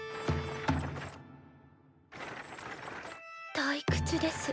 退屈です。